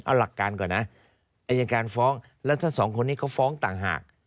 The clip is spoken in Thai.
เอาหลักการก่อนนะอายการฟ้องแล้วถ้าสองคนนี้เขาฟ้องต่างหาก